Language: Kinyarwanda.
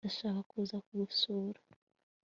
ndashaka kuza gusura